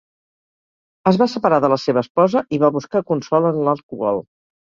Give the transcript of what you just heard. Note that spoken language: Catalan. Es va separar de la seva esposa i va buscar consol en l'alcohol.